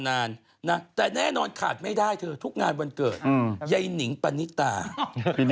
กระเทยเก่งกว่าเออแสดงความเป็นเจ้าข้าว